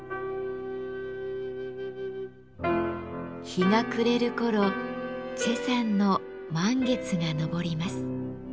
日が暮れる頃崔さんの満月が昇ります。